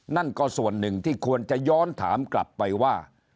นั่นก็ส่วนหนึ่งที่ควรจะย้อนถามกลับไปว่า